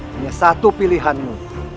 hanya satu pilihanmu